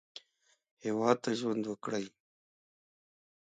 هېواد ته ژوند وکړئ